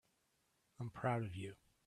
I'm proud of you.